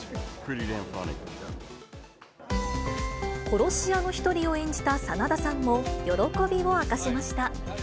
殺し屋の一人を演じた真田さんも、喜びを明かしました。